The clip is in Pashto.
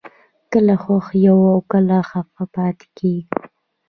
کله خوښ یو او کله خفه پاتې کېږو